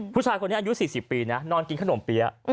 ผู้ชายคนนี้อายุ๔๐ปีนะนอนกินขนมเปี๊ยะ